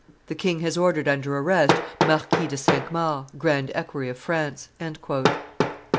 The king has ordered under arrest Marquis de Cinq Mars, grand equerry of France."